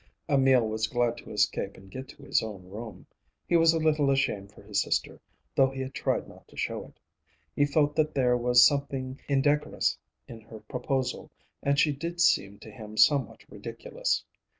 Emil was glad to escape and get to his own room. He was a little ashamed for his sister, though he had tried not to show it. He felt that there was something indecorous in her proposal, and she did seem to him somewhat ridiculous.